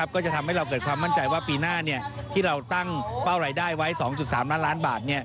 ก็จะทำให้เราเกิดความมั่นใจว่าปีหน้าที่เราตั้งเป้ารายได้ไว้๒๓ล้านล้านบาท